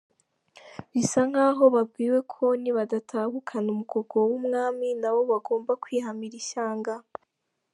Bisa nk’aho babwiwe ko nibadatahukana Umugogo w’Umwami nabo bagomba kwihamira ishyanga!